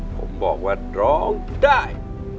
ผมบอกว่าร้องได้